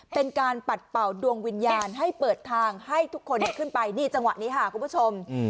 เป็นการปัดเป่าดวงวิญญาณให้เปิดทางให้ทุกคนขึ้นไปนี่จังหวะนี้ค่ะคุณผู้ชม